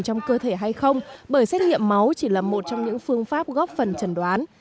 trong cơ thể hay không bởi xét nghiệm máu chỉ là một trong những phương pháp góp phần trần đoán